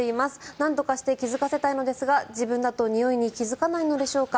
なんとか気付かせたいのですが自分だとにおいに気付かないのでしょうか。